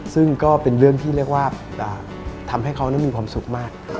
ซึ่งก็เป็นเรื่องที่ทำให้เขามีความสุขมาก